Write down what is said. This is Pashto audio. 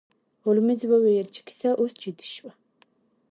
هولمز وویل چې کیسه اوس جدي شوه.